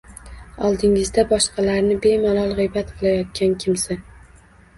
Oldingizda boshqalarni bemalol g‘iybat qilayotgan kimsa